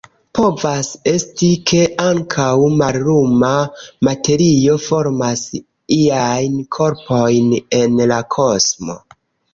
Povas esti, ke ankaŭ malluma materio formas iajn korpojn en la kosmo.